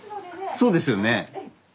そうですよね。